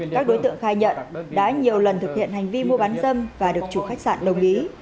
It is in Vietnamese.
các đối tượng khai nhận đã nhiều lần thực hiện hành vi mua bán dâm và được chủ khách sạn đồng ý